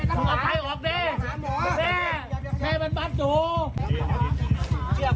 ใช่ค่ะเมย์มันบัคดิ์สูง